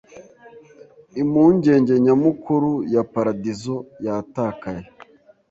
"impungenge nyamukuru" ya Paradizo Yatakaye